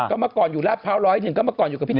ก็มาก่อนอยู่ราชภาว๑๐๑ก็มาก่อนอยู่กับพี่ติด